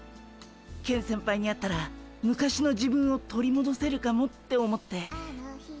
ケン先輩に会ったら昔の自分を取りもどせるかもって思って。